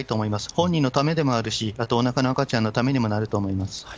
本人のためでもあるし、あとおなかの赤ちゃんのためにもなると思います。